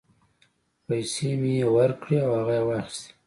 پیسې مې یې ورکړې او هغه یې واخیستې.